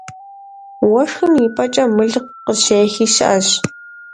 Уэшхым и пӀэкӀэ мыл къыщехи щыӀэщ.